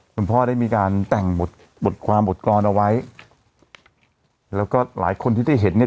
คุณพ่อได้มีการแต่งบทบทความบทกรรมเอาไว้แล้วก็หลายคนที่ได้เห็นเนี่ย